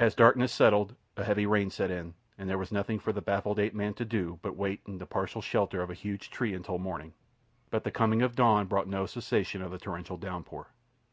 As darkness settled a heavy rain set in, and there was nothing for the baffled ape man to do but wait in the partial shelter of a huge tree until morning; but the coming of dawn brought no cessation of the torrential downpour.